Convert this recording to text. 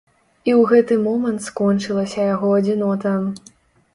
І ў гэты момант скончылася яго адзінота.